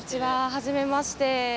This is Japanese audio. はじめまして。